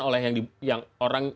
oleh yang orang